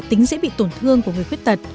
tính dễ bị tổn thương của người khuyết tật